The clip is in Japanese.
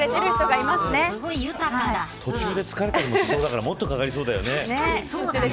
途中で疲れたりもしそうだからもっとかかりそうだよね。